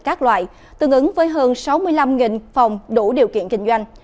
các loại tương ứng với hơn sáu mươi năm phòng đủ điều kiện kinh doanh